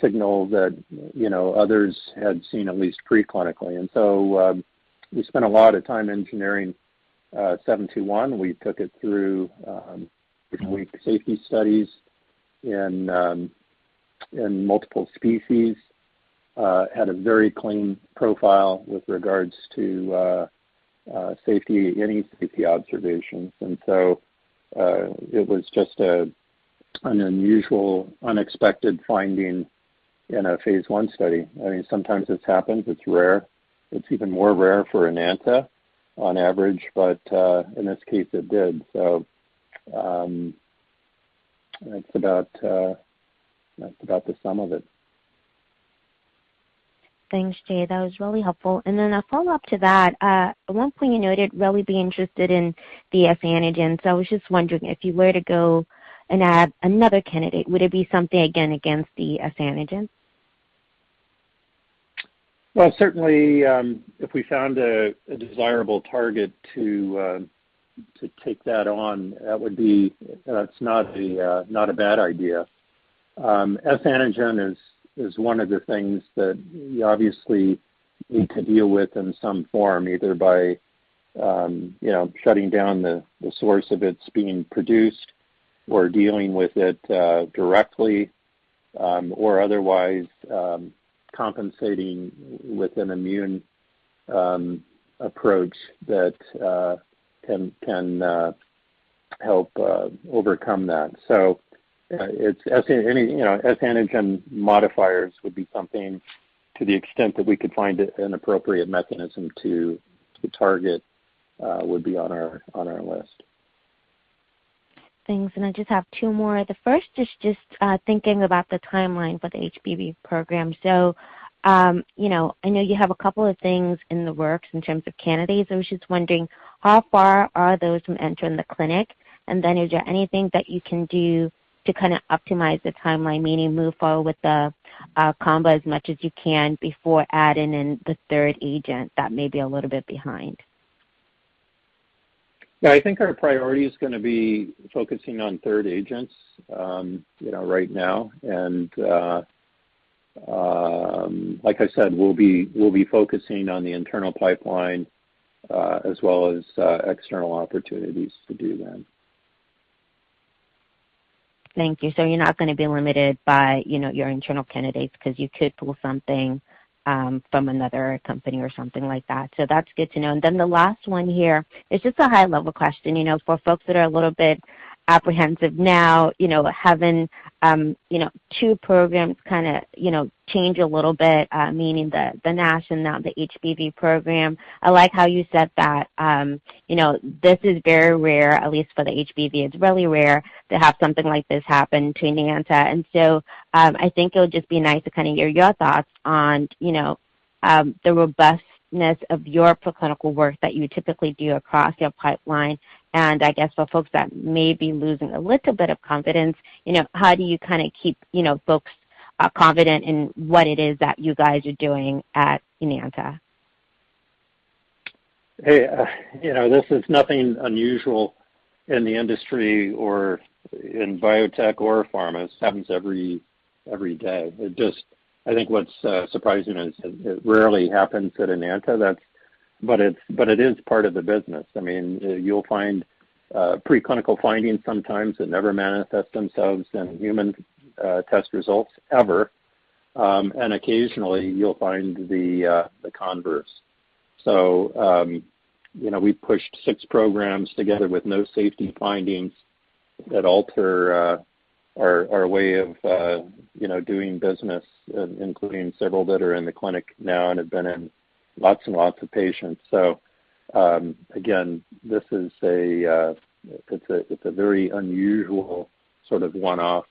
signal that, you know, others had seen at least preclinically. We spent a lot of time engineering 721. We took it through different week safety studies in multiple species, had a very clean profile with regards to safety, any safety observations. It was just an unusual, unexpected finding in a phase I study. I mean, sometimes this happens, it's rare. It's even more rare for Enanta on average, but in this case it did. That's about the sum of it. Thanks Jay. That was really helpful. A follow-up to that, at one point you noted really being interested in the S antigen. I was just wondering, if you were to go and add another candidate, would it be something again against the S antigen? Well, certainly, if we found a desirable target to take that on, that would be, that's not a bad idea. S antigen is one of the things that we obviously need to deal with in some form, either by you know, shutting down the source of its being produced or dealing with it directly, or otherwise compensating with an immune approach that can help overcome that. Any, you know, S antigen modifiers would be something to the extent that we could find an appropriate mechanism to target, would be on our list. Thanks. I just have two more. The first is just thinking about the timeline for the HBV program. You know, I know you have a couple of things in the works in terms of candidates. I was just wondering how far are those from entering the clinic? And then is there anything that you can do to kinda optimize the timeline, meaning move forward with the combo as much as you can before adding in the third agent that may be a little bit behind? I think our priority is gonna be focusing on third agents, you know, right now. Like I said, we'll be focusing on the internal pipeline, as well as external opportunities to do that. Thank you. You're not gonna be limited by, you know, your internal candidates 'cause you could pull something from another company or something like that. That's good to know. Then the last one here is just a high level question, you know, for folks that are a little bit apprehensive now, you know, having, you know, two programs kinda, you know, change a little bit, meaning the NASH and now the HBV program. I like how you said that, you know, this is very rare, at least for the HBV. It's really rare to have something like this happen to Enanta. I think it would just be nice to kinda hear your thoughts on, you know, the robustness of your preclinical work that you typically do across your pipeline. I guess for folks that may be losing a little bit of confidence, you know, how do you kinda keep, you know, folks confident in what it is that you guys are doing at Enanta? Hey, you know, this is nothing unusual in the industry or in biotech or pharma. This happens every day. It just, I think what's surprising is it rarely happens at Enanta. That's it. It is part of the business. I mean, you'll find preclinical findings sometimes that never manifest themselves in human test results ever. Occasionally you'll find the converse. You know, we pushed six programs together with no safety findings that alter our way of, you know, doing business, including several that are in the clinic now and have been in lots and lots of patients. Again, this is, it's a very unusual, sort of one-off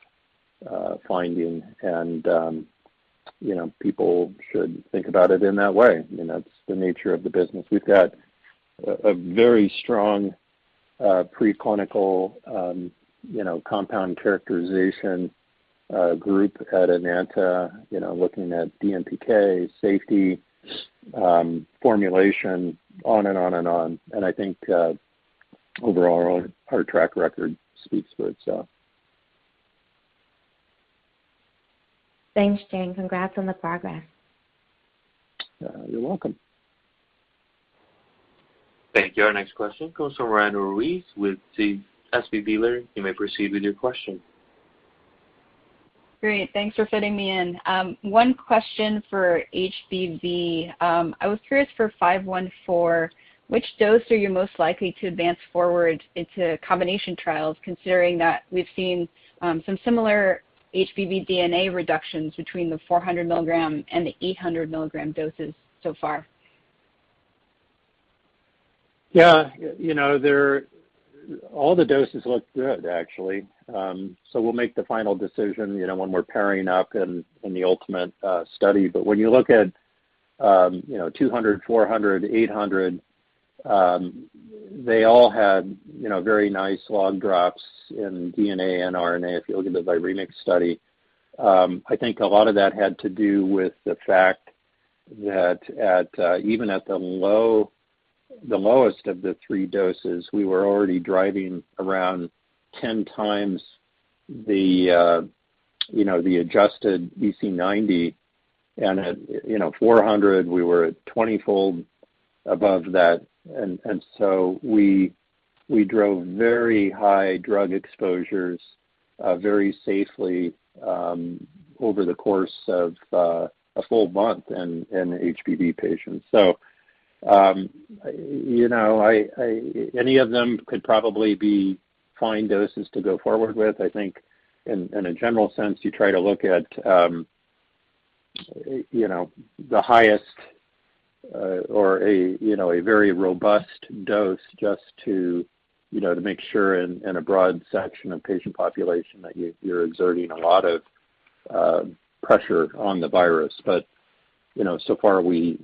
finding and, you know, people should think about it in that way. You know, that's the nature of the business. We've got a very strong preclinical, you know, compound characterization group at Enanta, you know, looking at DMPK, safety, formulation, on and on and on. I think overall, our track record speaks for itself. Thanks, Jay, and congrats on the progress. You're welcome. Thank you. Our next question comes from Roanna Ruiz with SVB Leerink. You may proceed with your question. Great. Thanks for fitting me in. One question for HBV. I was curious for 514, which dose are you most likely to advance forward into combination trials considering that we've seen some similar HBV DNA reductions between the 400 mg and the 800 mg doses so far? You know, all the doses look good, actually. We'll make the final decision, you know, when we're gearing up for the ultimate study. When you look at 200, 400, 800, they all had very nice log drops in DNA and RNA if you look at the viremic study. I think a lot of that had to do with the fact that at even the lowest of the three doses, we were already driving around 10 times the adjusted EC90. At 400, we were at 20-fold above that. We drove very high drug exposures very safely over the course of a full month in HBV patients. Any of them could probably be fine doses to go forward with. I think in a general sense, you try to look at you know, the highest or a you know, a very robust dose just to you know, to make sure in a broad section of patient population that you're exerting a lot of pressure on the virus. You know, so far we've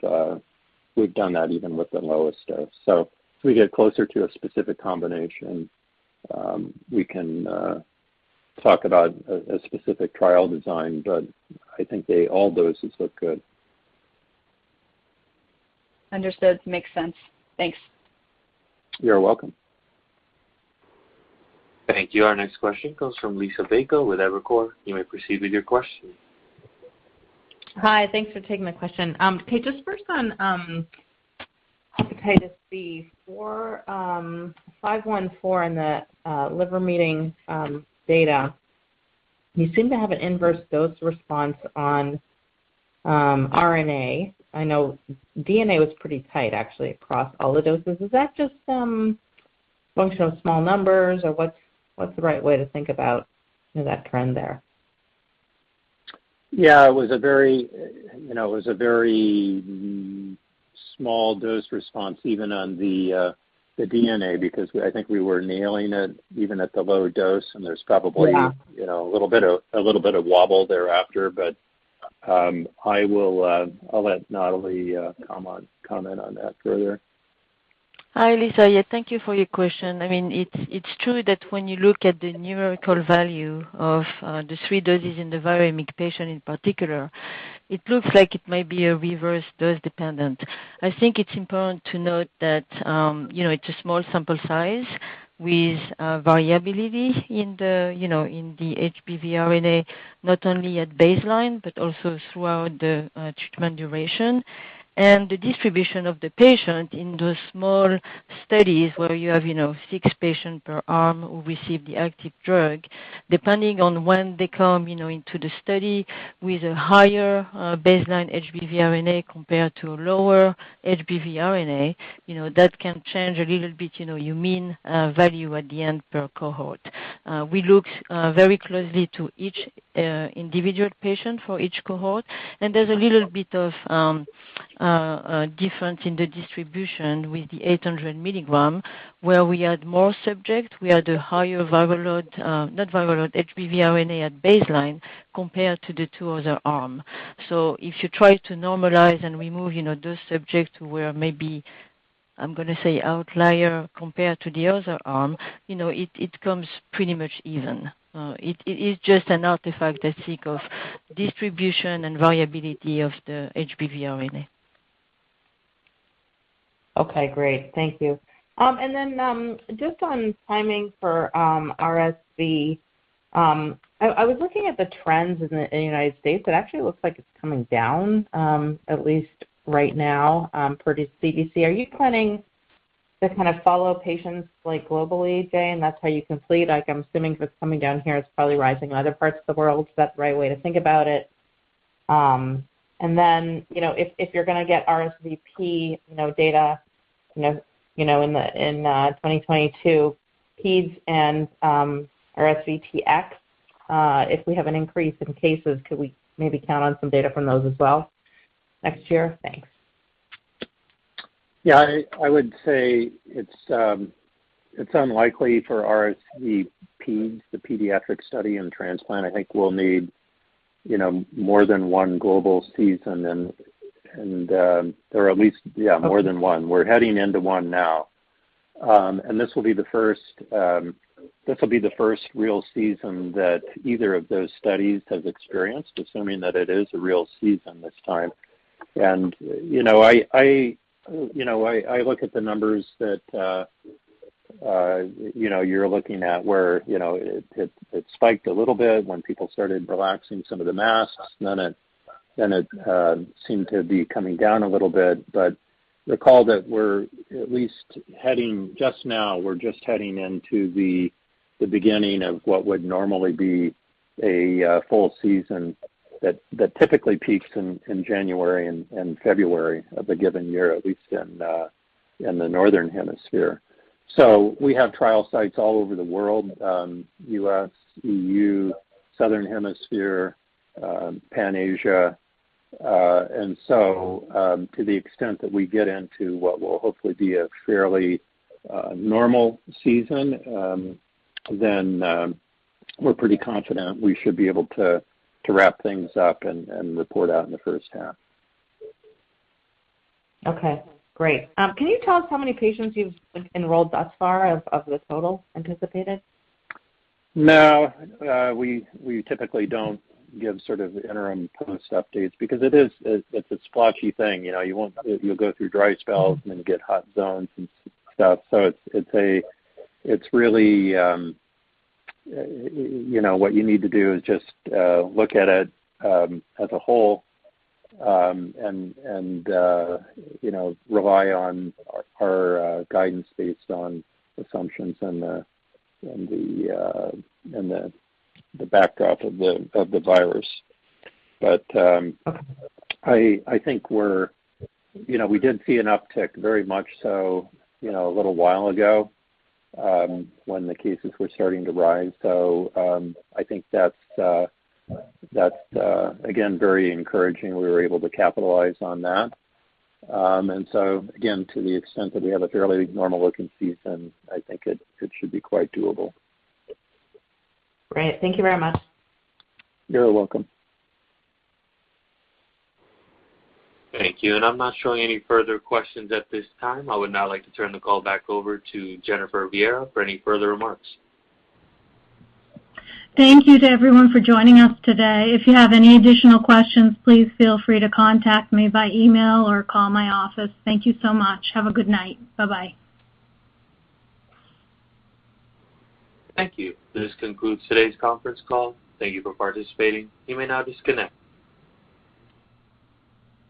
done that even with the lowest dose. As we get closer to a specific combination, we can talk about a specific trial design, but I think they all doses look good. Understood. Makes sense. Thanks. You're welcome. Thank you. Our next question comes from Liisa Bayko with Evercore. You may proceed with your question. Hi thanks for taking the question. Okay, just first on hepatitis B for 514 in the liver meeting data, you seem to have an inverse dose response on RNA. I know DNA was pretty tight actually across all the doses. Is that just some functional small numbers or what's the right way to think about, you know, that trend there? It was a very, you know, it was a very small dose response even on the DNA because I think we were nailing it even at the lower dose, and there's probably. Yeah. You know, a little bit of wobble thereafter. I'll let Nathalie comment on that further. Hi, Liisa. Yeah, thank you for your question. I mean, it's true that when you look at the numerical value of the three doses in the viremic patient in particular, it looks like it may be a reverse dose-dependent. I think it's important to note that, you know, it's a small sample size with variability in the, you know, in the HBV RNA, not only at baseline but also throughout the treatment duration. The distribution of the patients in those small studies where you have, you know, six patients per arm who receive the active drug, depending on when they come, you know, into the study with a higher baseline HBV RNA compared to a lower HBV RNA, you know, that can change a little bit, you know, your mean value at the end per cohort. We look very closely at each individual patient for each cohort, and there's a little bit of a difference in the distribution with the 800 mg, where we had more subjects, we had a higher viral load, not viral load, HBV RNA at baseline compared to the two other arms. If you try to normalize and remove, you know, those subjects where maybe, I'm gonna say outlier compared to the other arm, you know, it comes pretty much even. It is just an artifact, I think, of distribution and variability of the HBV RNA. Okay, great. Thank you. Just on timing for RSV, I was looking at the trends in the United States. It actually looks like it's coming down, at least right now, per the CDC. Are you planning to kind of follow patients like globally, Jay, and that's how you can fill it? Like, I'm assuming if it's coming down here, it's probably rising in other parts of the world. Is that the right way to think about it? You know, if you're gonna get RSVP data in 2022, Peds and RSVTX, if we have an increase in cases, could we maybe count on some data from those as well next year? Thanks. I would say it's unlikely for RSVPEDs, the pediatric study and transplant. I think we'll need you know more than one global season or at least yeah more than one. We're heading into one now. This will be the first real season that either of those studies has experienced, assuming that it is a real season this time. You know I look at the numbers that you know you're looking at where you know it spiked a little bit when people started relaxing some of the masks, then it seemed to be coming down a little bit. Recall that we're at least heading into the beginning of what would normally be a full season that typically peaks in January and February of a given year, at least in the northern hemisphere. We have trial sites all over the world, U.S., EU, Southern Hemisphere, Pan Asia. To the extent that we get into what will hopefully be a fairly normal season, then we're pretty confident we should be able to wrap things up and report out in the first half. Okay, great. Can you tell us how many patients you've, like, enrolled thus far of the total anticipated? No, we typically don't give sort of interim post updates because it's a splotchy thing. You know, you'll go through dry spells and then get hot zones and stuff. It's really, you know, what you need to do is just look at it as a whole, and you know, rely on our guidance based on assumptions and the backdrop of the virus. I think you know, we did see an uptick very much so, you know, a little while ago, when the cases were starting to rise. I think that's again very encouraging. We were able to capitalize on that. Again, to the extent that we have a fairly normal looking season, I think it should be quite doable. Great. Thank you very much. You're welcome. Thank you. I'm not showing any further questions at this time. I would now like to turn the call back over to Jennifer Vieira for any further remarks. Thank you to everyone for joining us today. If you have any additional questions, please feel free to contact me by email or call my office. Thank you so much. Have a good night. Bye-bye. Thank you. This concludes today's conference call. Thank you for participating. You may now disconnect.